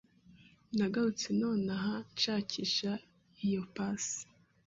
Nagarutse nonaha nshakisha iyo pass